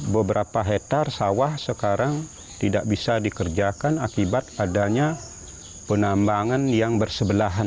beberapa hektare sawah sekarang tidak bisa dikerjakan akibat adanya penambangan yang bersebelahan